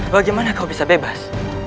bagaimana kau bisa bebas